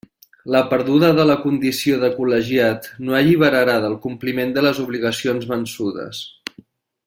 La perduda de la condició de col·legiat no alliberarà del compliment de les obligacions vençudes.